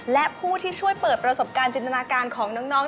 และผู้ที่ช่วยเปิดประสบการณ์จินตนาการของน้อง